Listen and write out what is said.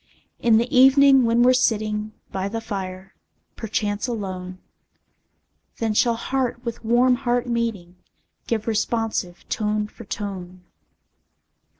In the evening, when we're sitting By the fire, perchance alone, Then shall heart with warm heart meeting, Give responsive tone for tone.